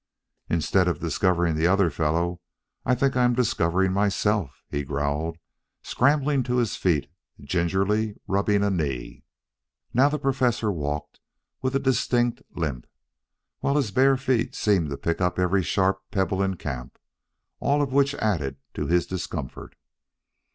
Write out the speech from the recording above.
"Instead of discovering the other fellow, I think I am discovering myself," he growled, scrambling to his feet, gingerly rubbing a knee. Now the Professor walked with a distinct limp, while his bare feet seemed to pick up every sharp pebble in camp, all of which added to his discomfort.